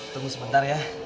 tunggu sebentar ya